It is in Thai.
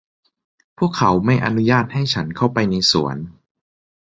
พวกเขาไม่อนุญาตให้ฉันเข้าไปในสวน